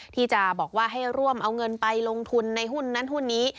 ที่จะบอกว่าให้ร่วมเอาเงินไปลงทุนในหุ้นนั้นหุ้นนี้